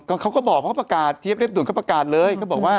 ก็เขาก็บอกเขาประกาศเทียบรีปดูกเขาประกาศเลย